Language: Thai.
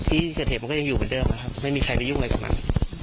ที่เกิดเหตุมันก็ยังอยู่เหมือนเดิมนะครับไม่มีใครไปยุ่งอะไรกับมัน